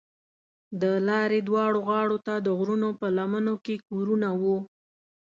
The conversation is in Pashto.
د لارې دواړو غاړو ته د غرونو په لمنو کې کورونه وو.